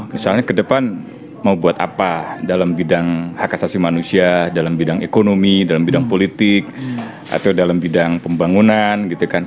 misalnya ke depan mau buat apa dalam bidang hak asasi manusia dalam bidang ekonomi dalam bidang politik atau dalam bidang pembangunan gitu kan